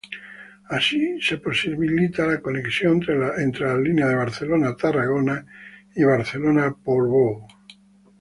Así se posibilita la conexión entre las líneas de Barcelona-Tarragona y Barcelona-Portbou.